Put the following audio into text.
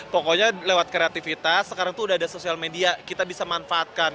pokoknya lewat kreativitas sekarang tuh udah ada sosial media kita bisa manfaatkan